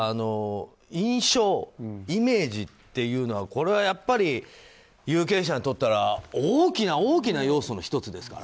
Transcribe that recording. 印象、イメージっていうのは有権者にとったら大きな大きな要素の１つですから。